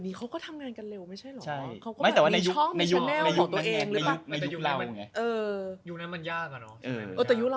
แต่เข้ามาไวมากเลยนะ